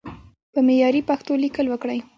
په معياري پښتو ليکل وکړئ!